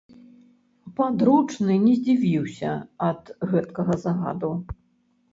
Падручны не здзівіўся ад гэткага загаду.